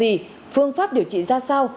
vì vậy phương pháp điều trị ra sao